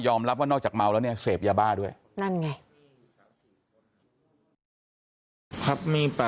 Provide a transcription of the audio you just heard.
คุณต้องการรู้สิทธิ์ของเขา